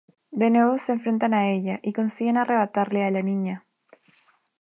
De nuevo se enfrentan a ella y consiguen arrebatarle a la niña.